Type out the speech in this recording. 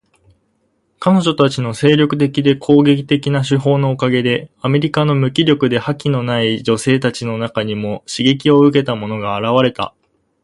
彼女たちの精力的で攻撃的な手法のおかげで、アメリカの無気力で覇気のない女性たちの中にも刺激を受けた者が現れた。